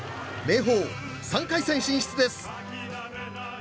明豊、３回戦進出です。